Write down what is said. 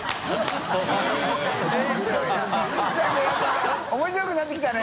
燭やっぱ面白くなってきたね。